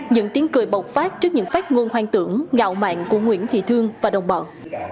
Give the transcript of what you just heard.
những tiếng cười bộc phát trước những phát ngôn hoang tưởng ngạo mạng của nguyễn thị thương và đồng bọn